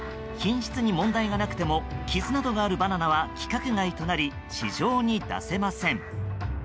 品質に問題がなくても傷などがあるバナナは規格外となり市場に出せません。